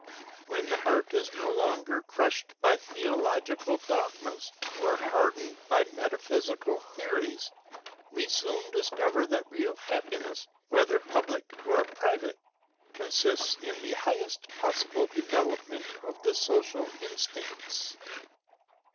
When the heart is no longer crushed by theological dogmas, or hardened by metaphysical theories, we soon discover that real happiness, whether public or private, consists in the highest possible development of the social instincts.